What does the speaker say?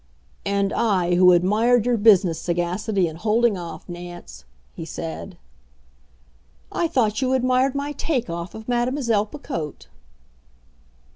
"And I, who admired your business sagacity in holding off, Nance!" he said. "I thought you admired my take off! of Mademoiselle Picotte."